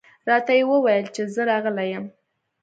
راته یې وویل چې زه راغلی یم.